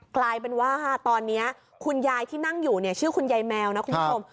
กลายเป็นว่าตอนนี้คุณยายที่นั่งอยู่เนี่ยชื่อคุณยายแมวนะคุณผู้ชม